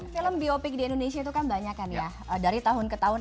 film biopik di indonesia itu kan banyak kan ya dari tahun ke tahun